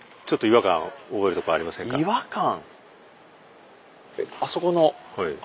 違和感。